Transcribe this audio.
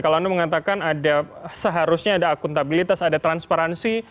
kalau anda mengatakan ada seharusnya ada akuntabilitas ada transparansi